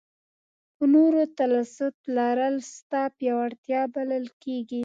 په نورو تسلط لرل ستا پیاوړتیا بلل کېږي.